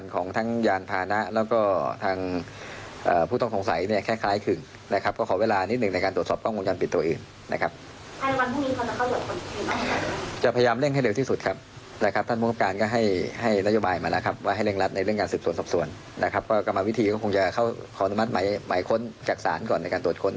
ก็กำลังวิธีเขาก็คงจะเข้าหน้ามาคมใหม่ค้นจากศาลก่อนในการโดดค้น